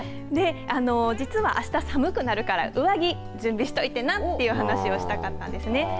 実はあした寒くなるから上着、準備しといてなという話をしたかったんですね。